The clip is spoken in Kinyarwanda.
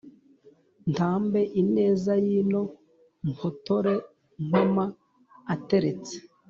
ntambe ineza y’ino mpotore mpama ateretse,